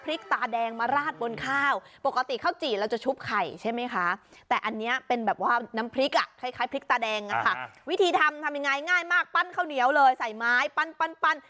พริกตาแดงนะคะวิธีทำทำยังไงง่ายมากปั้นข้าวเหนียวเลยใส่ไม้ปั้น